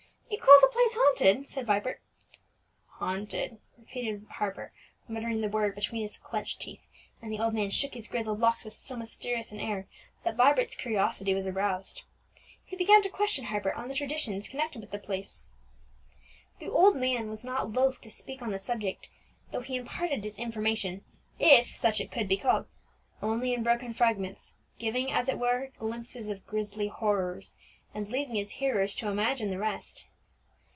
"You call the place haunted?" said Vibert. "Haunted!" repeated Harper, muttering the word between his clenched teeth; and the old man shook his grizzled locks with so mysterious an air, that Vibert's curiosity was roused. He began to question Harper on the traditions connected with the place. The old man was not loath to speak on the subject, though he imparted his information, if such it could be called, only in broken fragments; giving as it were, glimpses of grisly horrors, and leaving his hearers to imagine the rest.